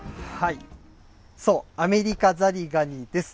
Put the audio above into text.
そう、アメリカザリガニです。